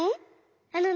あのね